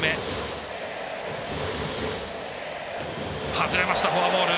外れました、フォアボール。